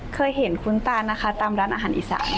เคยเห็นคุ้นตานะคะตามร้านอาหารอีสาน